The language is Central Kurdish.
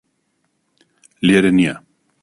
لێرە نییە